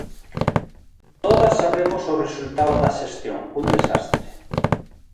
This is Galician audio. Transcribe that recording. Todas sabemos o resultado da xestión: un desastre.